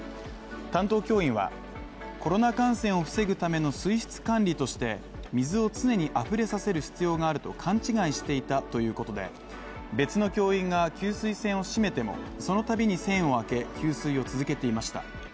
担当教員はコロナ感染を防ぐための水質管理として、水を常に溢れさせる必要があると勘違いしていたということで、別の教員が給水栓を閉めても、そのたびに栓を開け、給水を続けていました。